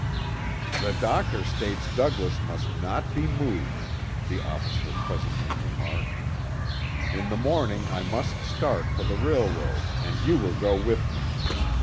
"The doctor states Douglas must not be moved," the officer presently remarked. "In the morning, I must start for the railroad and you will go with me.